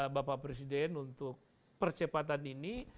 bapak presiden untuk percepatan ini